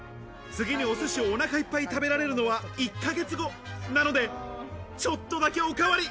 次にお寿司をお腹いっぱい食べられるのは１ヶ月後なので、ちょっとだけおかわり。